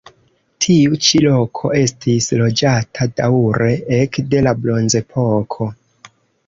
Tiu ĉi loko estis loĝata daŭre ekde la bronzepoko.